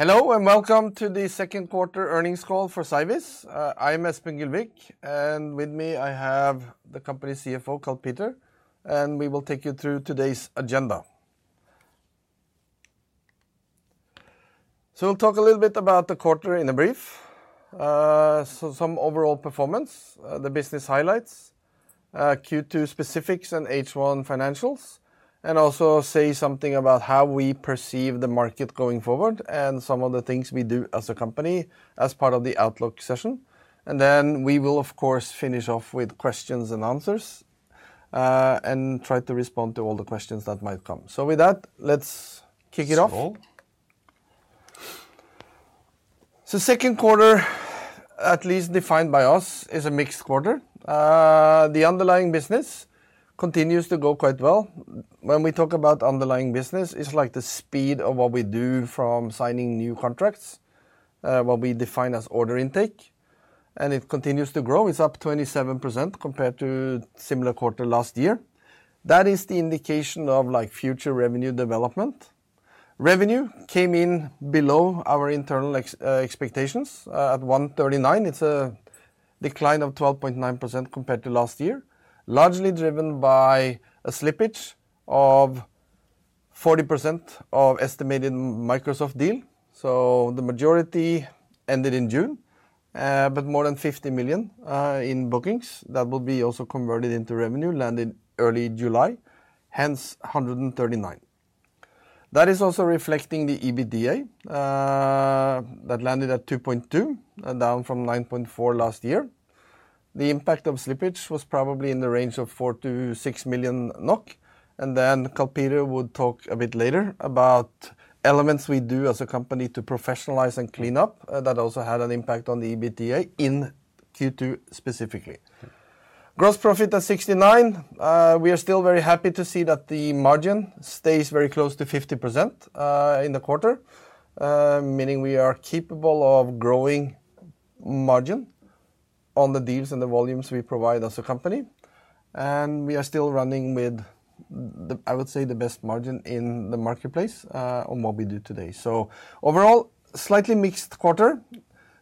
Hello, and welcome to the second quarter earnings call for Cyviz. I am Espen Gylvik, and with me, I have the company CFO, Karl Peter, and we will take you through today's agenda. We'll talk a little bit about the quarter in a brief, some overall performance, the business highlights, Q2 specifics and H1 financials, and also say something about how we perceive the market going forward and some of the things we do as a company, as part of the outlook session. Then we will, of course, finish off with questions and answers, and try to respond to all the questions that might come. With that, let's kick it off. Let's roll. So second quarter, at least defined by us, is a mixed quarter. The underlying business continues to go quite well. When we talk about underlying business, it's like the speed of what we do from signing new contracts, what we define as order intake, and it continues to grow. It's up 27% compared to similar quarter last year. That is the indication of, like, future revenue development. Revenue came in below our internal expectations, at 139. It's a decline of 12.9% compared to last year, largely driven by a slippage of 40% of estimated Microsoft deal, so the majority ended in June. But more than 50 million, in bookings that will be also converted into revenue, landed early July, hence a 139. That is also reflecting the EBITDA that landed at 2.2, down from 9.4 last year. The impact of slippage was probably in the range of 4-6 million NOK, and then Karl Peter would talk a bit later about elements we do as a company to professionalize and clean up that also had an impact on the EBITDA in Q2, specifically. Gross profit at 69. We are still very happy to see that the margin stays very close to 50%, in the quarter, meaning we are capable of growing margin on the deals and the volumes we provide as a company, and we are still running with the, I would say, the best margin in the marketplace, on what we do today. So overall, slightly mixed quarter,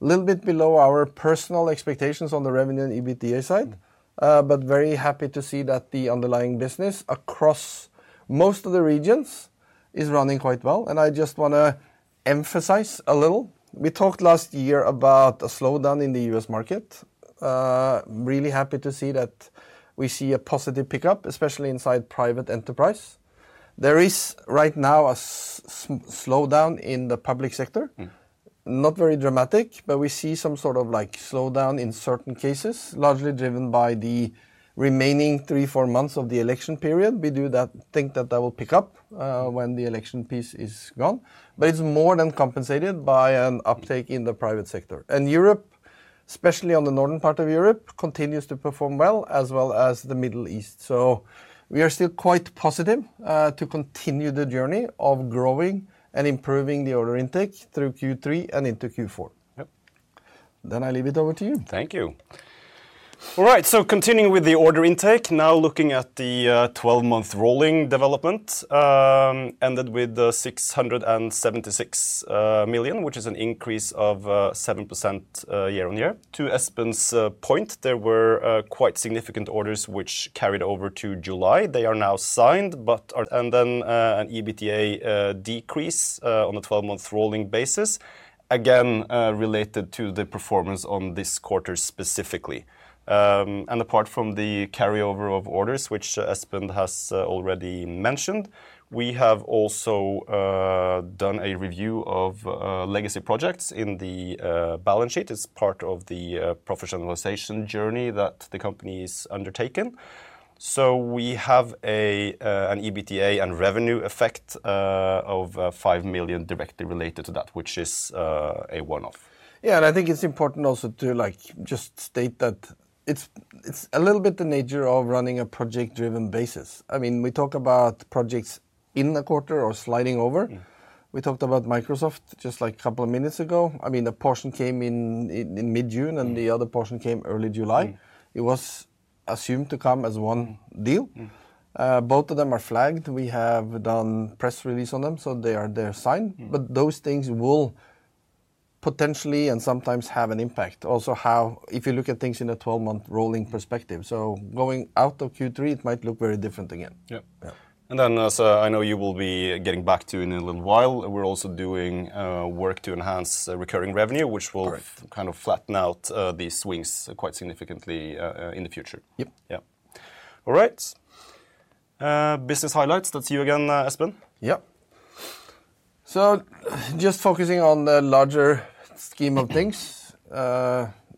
little bit below our personal expectations on the revenue and EBITDA side, but very happy to see that the underlying business across most of the regions is running quite well. And I just wanna emphasize a little, we talked last year about a slowdown in the U.S. market. Really happy to see that we see a positive pickup, especially inside private enterprise. There is, right now, a slowdown in the public sector. Mm. Not very dramatic, but we see some sort of, like, slowdown in certain cases, largely driven by the remaining three, four months of the election period. We do think that that will pick up when the election piece is gone, but it's more than compensated by an uptake in the private sector, and Europe, especially the northern part of Europe, continues to perform well, as well as the Middle East, so we are still quite positive to continue the journey of growing and improving the order intake through Q3 and into Q4. Yep. Then I leave it over to you. Thank you. All right, so continuing with the order intake. Now, looking at the 12 month rolling development, ended with the 676 million, which is an increase of 7% year on year. To Espen's point, there were quite significant orders which carried over to July. They are now signed, but. And then an EBITDA decrease on a 12 month rolling basis, again related to the performance on this quarter, specifically. And apart from the carryover of orders, which Espen has already mentioned, we have also done a review of legacy projects in the balance sheet. It's part of the professionalization journey that the company's undertaken. So we have an EBITDA and revenue effect of 5 million directly related to that, which is a one-off. Yeah, and I think it's important also to, like, just state that it's a little bit the nature of running a project-driven basis. I mean, we talk about projects in the quarter or sliding over. Mm. We talked about Microsoft just, like, a couple of minutes ago. I mean, the portion came in mid-June. Mm... and the other portion came early July. Mm. It was assumed to come as one deal. Mm. Mm. Both of them are flagged. We have done press release on them, so they are signed. Mm. but those things will potentially and sometimes have an impact. Also, how, if you look at things in a 12 month rolling perspective, so going out of Q3, it might look very different again. Yep. Yeah. And then, as I know you will be getting back to in a little while, we're also doing work to enhance the recurring revenue- Correct... which will kind of flatten out, these swings quite significantly, in the future. Yep. Yeah. All right. Business highlights. That's you again, Espen. Yep. So just focusing on the larger scheme of things,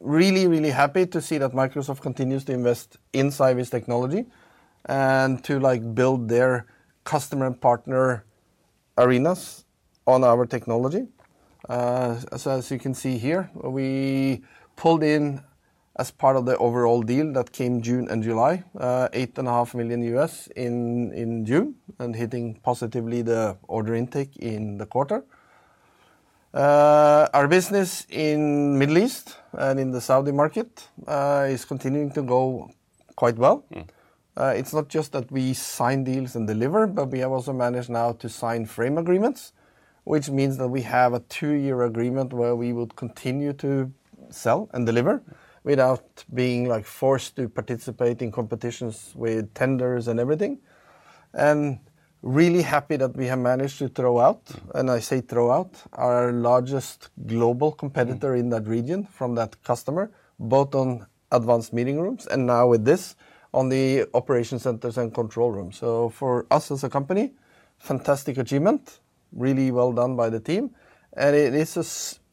really, really happy to see that Microsoft continues to invest in Cyviz technology and to, like, build their customer and partner arenas on our technology. So as you can see here, we pulled in, as part of the overall deal that came June and July, $8.5 million in June, and hitting positively the order intake in the quarter. Our business in Middle East and in the Saudi market is continuing to go quite well. Mm. It's not just that we sign deals and deliver, but we have also managed now to sign frame agreements, which means that we have a two-year agreement where we would continue to sell and deliver without being, like, forced to participate in competitions with tenders and everything, and really happy that we have managed to throw out, and I say throw out, our largest global competitor. Mm... in that region from that customer, both on advanced meeting rooms and now with this, on the operation centers and control room. So for us as a company, fantastic achievement. Really well done by the team, and it is a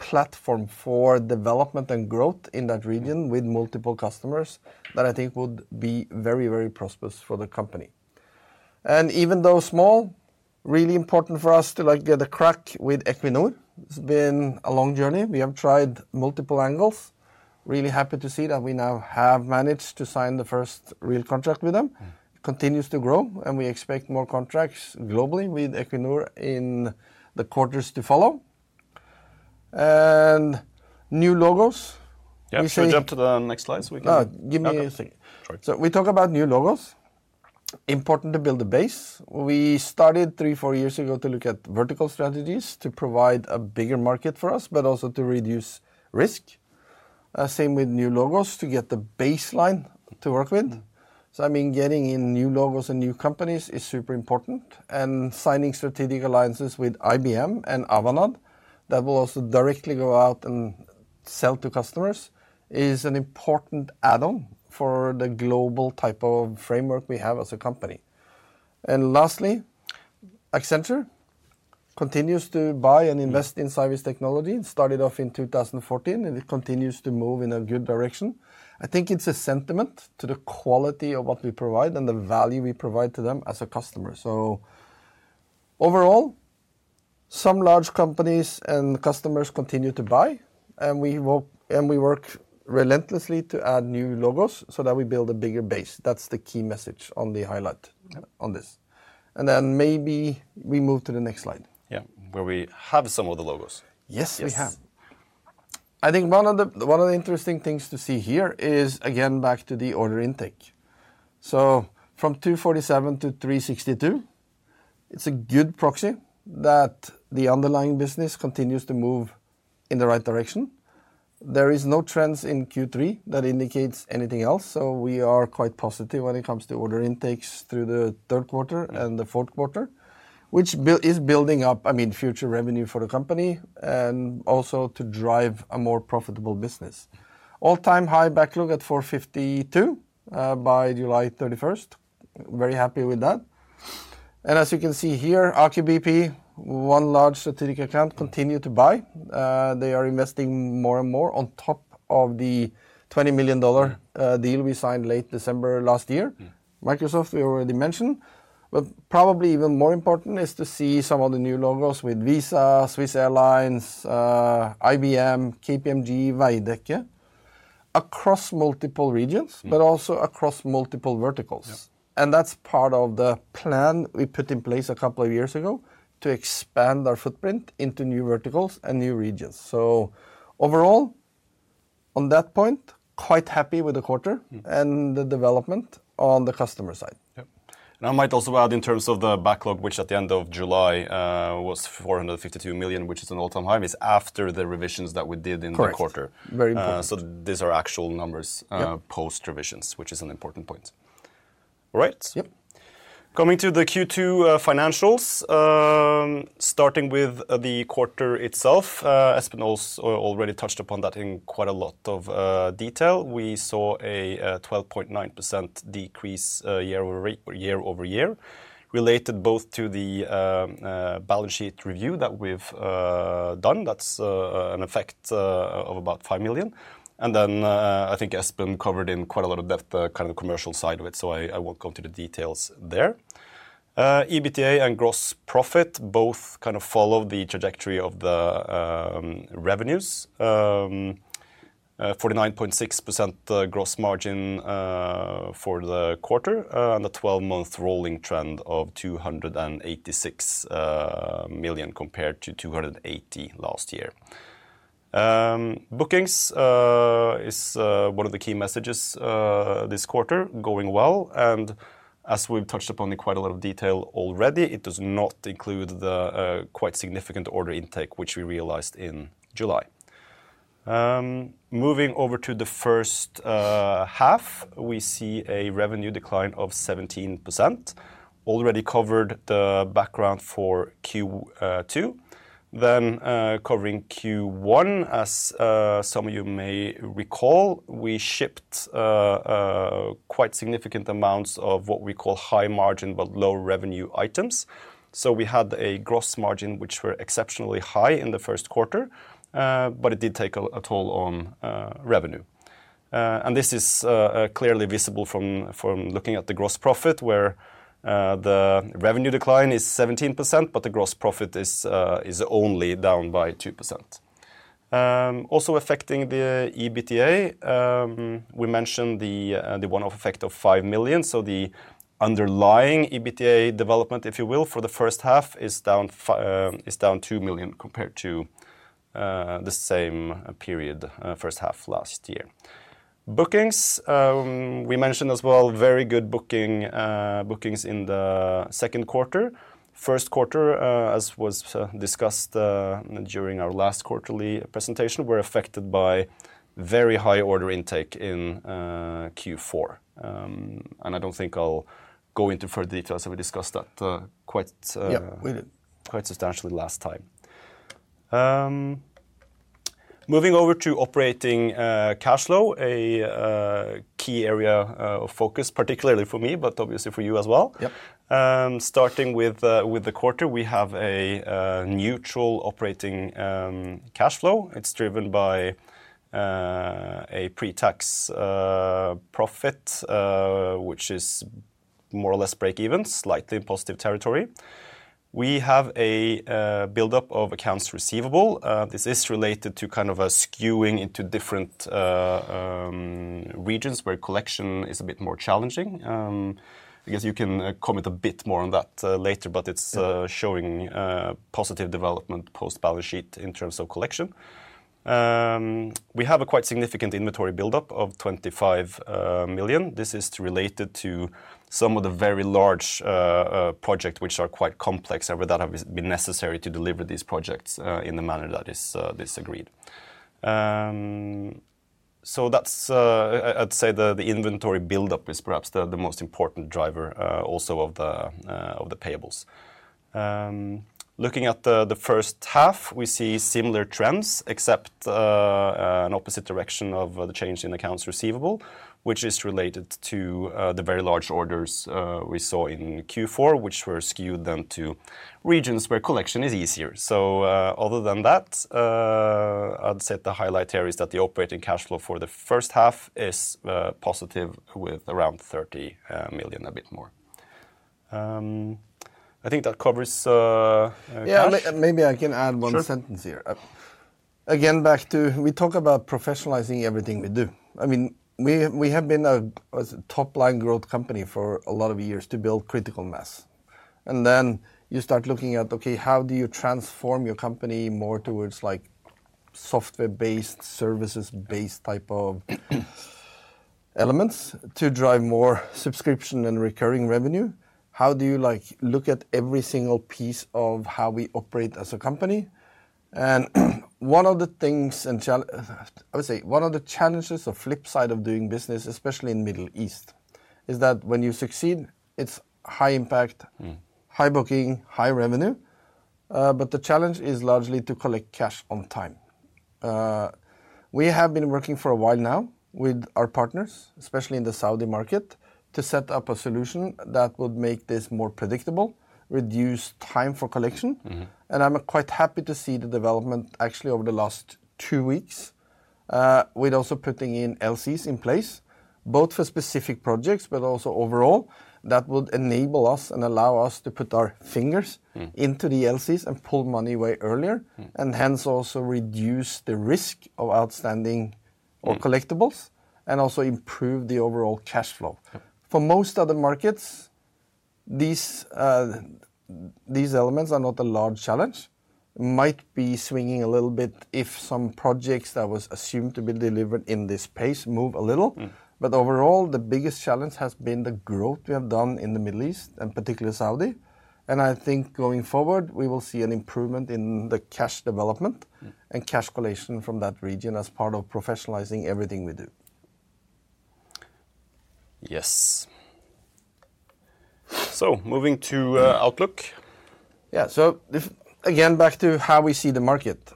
platform for development and growth in that region- Mm... with multiple customers, that I think would be very, very prosperous for the company, and even though small, really important for us to, like, get a crack with Equinor. It's been a long journey. We have tried multiple angles. Really happy to see that we now have managed to sign the first real contract with them. Mm. Continues to grow, and we expect more contracts globally with Equinor in the quarters to follow, and new logos. We should- Yeah, shall we jump to the next slide so we can- Give me a second. Sorry. So we talk about new logos. Important to build a base. We started three, four years ago to look at vertical strategies to provide a bigger market for us, but also to reduce risk. Same with new logos, to get the baseline to work with. Mm. So, I mean, getting in new logos and new companies is super important, and signing strategic alliances with IBM and Avanade, that will also directly go out and sell to customers, is an important add-on for the global type of framework we have as a company. And lastly, Accenture continues to buy and invest- Mm... in Cyviz technology. It started off in 2014, and it continues to move in a good direction. I think it's a testament to the quality of what we provide and the value we provide to them as a customer. So overall, some large companies and customers continue to buy, and we work, and we work relentlessly to add new logos so that we build a bigger base. That's the key message on the highlights. Yeah... on this, and then maybe we move to the next slide. Yeah, where we have some of the logos. Yes, we have. Yes. I think one of the interesting things to see here is, again, back to the order intake. So from 247-362, it's a good proxy that the underlying business continues to move in the right direction. There is no trends in Q3 that indicates anything else, so we are quite positive when it comes to order intakes through the third quarter. Mm... and the fourth quarter, which is building up, I mean, future revenue for the company and also to drive a more profitable business. All-time high backlog at 452 million by July 31st. Very happy with that. And as you can see here, Aker BP, one large strategic account, continue to buy. They are investing more and more on top of the $20 million Mm... deal we signed late December last year. Mm. Microsoft, we already mentioned, but probably even more important is to see some of the new logos with Visa, Swiss Airlines, IBM, KPMG, Veidekke, across multiple regions. Mm... but also across multiple verticals. Yeah. And that's part of the plan we put in place a couple of years ago to expand our footprint into new verticals and new regions. So overall, on that point, quite happy with the quarter. Mm... and the development on the customer side. Yep, and I might also add in terms of the backlog, which at the end of July was 452 million, which is an all-time high, is after the revisions that we did in the quarter. Correct. Very important. So these are actual numbers- Yep... post revisions, which is an important point. All right? Yep. Coming to the Q2 financials. Starting with the quarter itself, Espen also already touched upon that in quite a lot of detail. We saw a 12.9% decrease year over year related both to the balance sheet review that we've done. That's an effect of about 5 million. And then, I think Espen covered in quite a lot of depth the kind of commercial side of it, so I won't go into the details there. EBITDA and gross profit both kind of follow the trajectory of the revenues. 49.6% the gross margin for the quarter, and the 12 month rolling trend of 286 million, compared to 280 million last year. Bookings is one of the key messages this quarter, going well, and as we've touched upon in quite a lot of detail already, it does not include the quite significant order intake, which we realized in July. Moving over to the first half, we see a revenue decline of 17%. Already covered the background for Q2. Then covering Q1, as some of you may recall, we shipped quite significant amounts of what we call high-margin, but low-revenue items. So we had a gross margin, which were exceptionally high in the first quarter, but it did take a toll on revenue. And this is clearly visible from looking at the gross profit, where the revenue decline is 17%, but the gross profit is only down by 2%. Also affecting the EBITDA, we mentioned the one-off effect of 5 million, so the underlying EBITDA development, if you will, for the first half, is down 2 million compared to the same period, first half last year. Bookings, we mentioned as well, very good bookings in the second quarter. First quarter, as was discussed during our last quarterly presentation, were affected by very high order intake in Q4. And I don't think I'll go into further details, so we discussed that quite- Yeah, we did. Quite substantially last time. Moving over to operating cash flow, a key area of focus, particularly for me, but obviously for you as well. Yep. Starting with the quarter, we have a neutral operating cash flow. It's driven by a pre-tax profit which is more or less break even, slightly in positive territory. We have a buildup of accounts receivable. This is related to kind of a skewing into different regions where collection is a bit more challenging. I guess you can comment a bit more on that later, but it's Yeah... showing positive development post-balance sheet in terms of collection. We have a quite significant inventory buildup of 25 million. This is related to some of the very large project, which are quite complex, and where that have been necessary to deliver these projects in the manner that is agreed. So that's, I'd say the inventory buildup is perhaps the most important driver also of the payables. Looking at the first half, we see similar trends, except an opposite direction of the change in accounts receivable, which is related to the very large orders we saw in Q4, which were skewed then to regions where collection is easier. So, other than that, I'd say the highlight here is that the operating cash flow for the first half is positive, with around 30 million, a bit more. I think that covers cash. Yeah, maybe I can add one- Sure... sentence here. Again, back to we talk about professionalizing everything we do. I mean, we have been as a top-line growth company for a lot of years to build critical mass. And then you start looking at, okay, how do you transform your company more towards, like, software-based, services-based type of elements to drive more subscription and recurring revenue? How do you, like, look at every single piece of how we operate as a company? And one of the things, I would say one of the challenges or flip side of doing business, especially in Middle East, is that when you succeed, it's high impact- Mm. High booking, high revenue, but the challenge is largely to collect cash on time. We have been working for a while now with our partners, especially in the Saudi market, to set up a solution that would make this more predictable, reduce time for collection. Mm-hmm. And I'm quite happy to see the development actually over the last two weeks, with also putting in LCs in place, both for specific projects, but also overall, that would enable us and allow us to put our fingers- Mm... into the LCs and pull money way earlier- Mm... and hence also reduce the risk of outstanding or collectibles. Mm... and also improve the overall cash flow. Yeah. For most other markets, these, these elements are not a large challenge. Might be swinging a little bit if some projects that was assumed to be delivered in this pace move a little. Mm. But overall, the biggest challenge has been the growth we have done in the Middle East, and particularly Saudi. And I think going forward, we will see an improvement in the cash development. Mm... and cash collection from that region as part of professionalizing everything we do. Yes. So moving to outlook. Yeah. So if, again, back to how we see the market.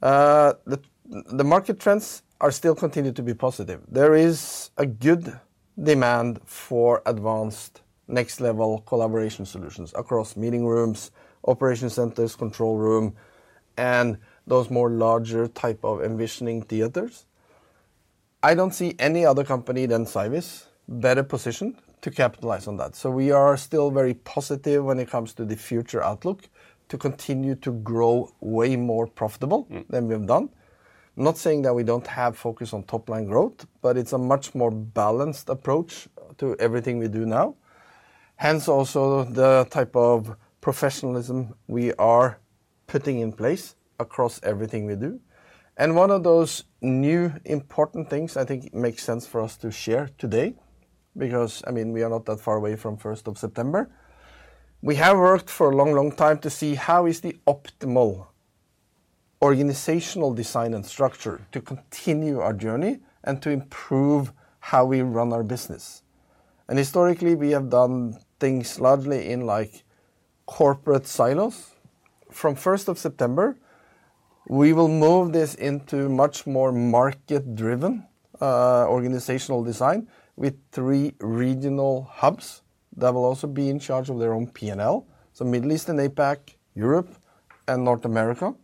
The market trends are still continued to be positive. There is a good demand for advanced next-level collaboration solutions across meeting rooms, operation centers, control room, and those more larger type of envisioning theaters. I don't see any other company than Cyviz better positioned to capitalize on that. So we are still very positive when it comes to the future outlook, to continue to grow way more profitable- Mm... than we've done. I'm not saying that we don't have focus on top line growth, but it's a much more balanced approach to everything we do now, hence also the type of professionalism we are putting in place across everything we do. And one of those new important things, I think, makes sense for us to share today, because, I mean, we are not that far away from 1st of September. We have worked for a long, long time to see how is the optimal organizational design and structure to continue our journey and to improve how we run our business. And historically, we have done things largely in, like, corporate silos. From 1st of September, we will move this into much more market-driven organizational design with three regional hubs that will also be in charge of their own P&L, so Middle East and APAC, Europe, and North America.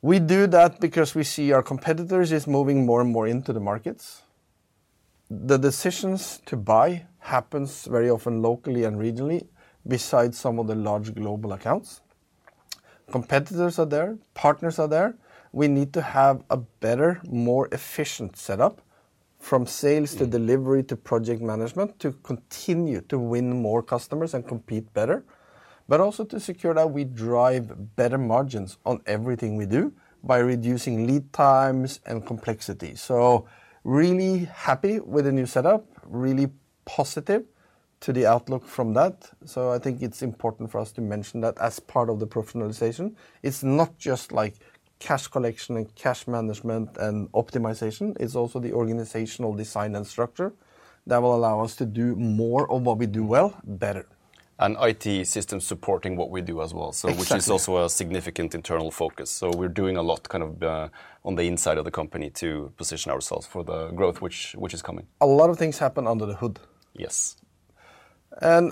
We do that because we see our competitors is moving more and more into the markets. The decisions to buy happens very often locally and regionally, besides some of the large global accounts. Competitors are there, partners are there. We need to have a better, more efficient setup from sales to delivery to project management, to continue to win more customers and compete better, but also to secure that we drive better margins on everything we do by reducing lead times and complexity, so really happy with the new setup, really positive to the outlook from that, so I think it's important for us to mention that as part of the professionalization. It's not just like cash collection and cash management and optimization, it's also the organizational design and structure that will allow us to do more of what we do well, better. IT systems supporting what we do as well. Exactly... so which is also a significant internal focus. So we're doing a lot kind of on the inside of the company to position ourselves for the growth, which is coming. A lot of things happen under the hood. Yes.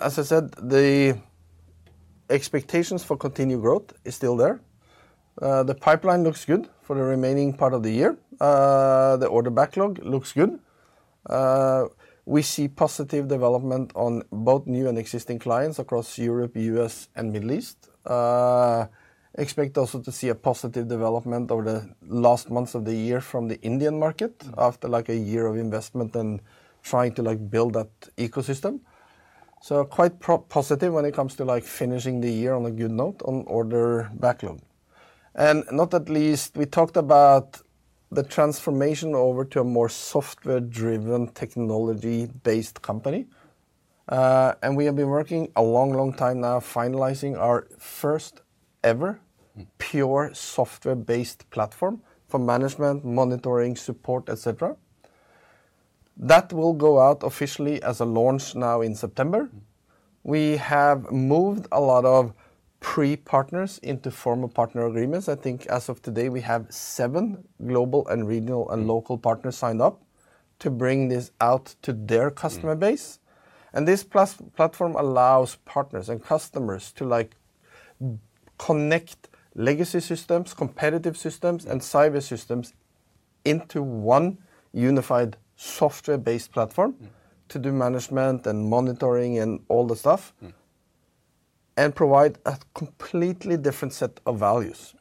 As I said, the expectations for continued growth is still there. The pipeline looks good for the remaining part of the year. The order backlog looks good. We see positive development on both new and existing clients across Europe, U.S., and Middle East. Expect also to see a positive development over the last months of the year from the Indian market- Mm... after like a year of investment and trying to, like, build that ecosystem. So quite positive when it comes to, like, finishing the year on a good note on order backlog. And not least, we talked about the transformation over to a more software-driven, technology-based company. And we have been working a long, long time now, finalizing our first ever- Mm... pure software-based platform for management, monitoring, support, et cetera. That will go out officially as a launch now in September. Mm. We have moved a lot of pre-partners into formal partner agreements. I think as of today, we have seven global and regional- Mm... and local partners signed up to bring this out to their customer base. Mm. This platform allows partners and customers to, like, connect legacy systems, competitive systems, and Cyviz systems into one unified software-based platform. Mm... to do management and monitoring and all the stuff. Mm. Provide a completely different set of values.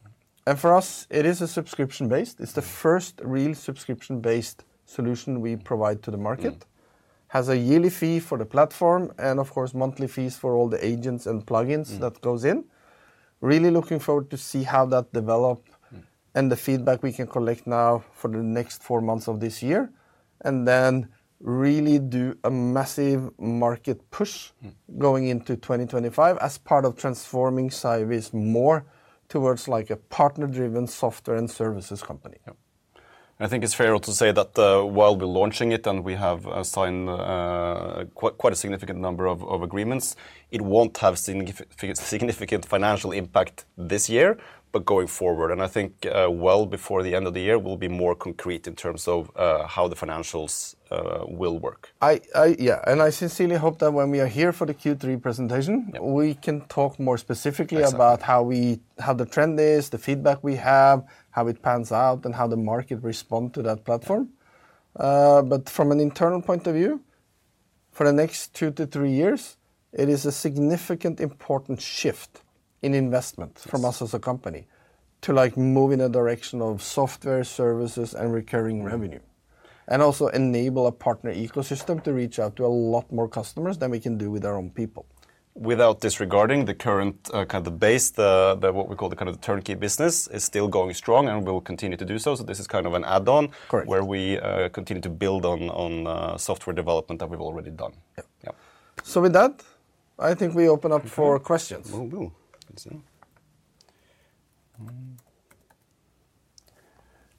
Mm. For us, it is a subscription-based. Mm. It's the first real subscription-based solution we provide to the market. Mm. Has a yearly fee for the platform, and of course, monthly fees for all the agents and plugins- Mm... that goes in. Really looking forward to see how that develop- Mm... and the feedback we can collect now for the next four months of this year, and then really do a massive market push- Mm... going into 2025 as part of transforming Cyviz more towards like a partner-driven software and services company. Yeah. I think it's fair to say that, while we're launching it, and we have signed quite a significant number of agreements, it won't have significant financial impact this year, but going forward. And I think, well before the end of the year, we'll be more concrete in terms of how the financials will work. I... Yeah, and I sincerely hope that when we are here for the Q3 presentation- Yeah... we can talk more specifically. Exactly... about how we, how the trend is, the feedback we have, how it pans out, and how the market respond to that platform. Yeah. But from an internal point of view, for the next 2-3 years, it is a significant, important shift in investment- Yes... from us as a company to, like, move in a direction of software, services, and recurring revenue. And also enable a partner ecosystem to reach out to a lot more customers than we can do with our own people. Without disregarding the current, kind of base, the what we call the kind of turnkey business, is still going strong and will continue to do so. So this is kind of an add-on- Correct... where we continue to build on software development that we've already done. Yeah. Yeah. So with that, I think we open up for questions. We will. Let's see.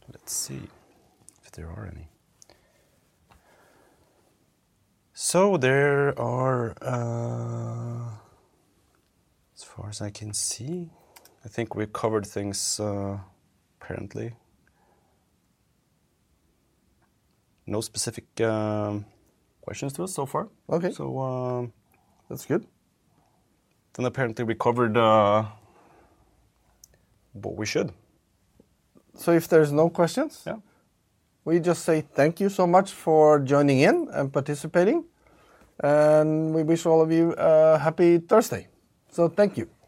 Let's see if there are any. So there are. As far as I can see, I think we covered things currently. No specific questions to us so far. Okay. So, um- That's good. Then apparently we covered what we should. So if there's no questions- Yeah... we just say thank you so much for joining in and participating, and we wish all of you a happy Thursday. So thank you.